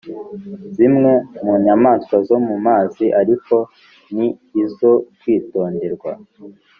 zimwe mu nyamaswa zo mu mazi ariko ni izo kwitonderwa